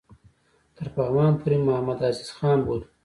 تر پغمان پوري محمدعزیز خان بوتلو.